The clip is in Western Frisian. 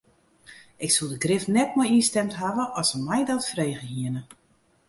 Ik soe der grif net mei ynstimd hawwe as se my dat frege hiene.